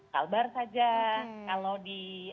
kalbar saja kalau di